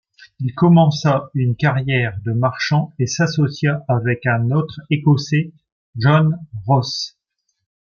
Il commença une carrière de marchand et s'associa avec un autre Écossais John Ross.